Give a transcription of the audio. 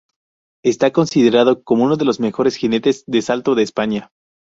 Está considerado como uno de los mejores jinetes de salto de España.